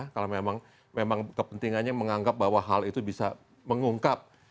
kalau memang kepentingannya menganggap bahwa hal itu bisa mengungkap